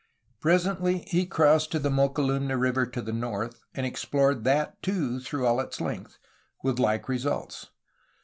Presently he crossed to the Mokelumne River to the north, and explored that too through all its length, with like re sults.